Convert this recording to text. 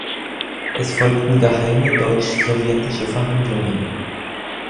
Es folgten geheime deutsch-sowjetische Verhandlungen.